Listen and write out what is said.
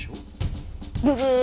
ブブー！